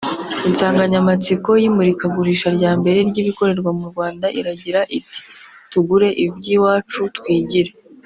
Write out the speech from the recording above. Insanganyamatsiko y’imurikagurisha rya mbere ry’ibikorerwa mu Rwanda iragita iti”Tugure iby’iwacu Twigire